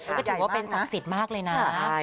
ก็ถือว่าเป็นศักดิ์สิทธิ์มากเลยนะ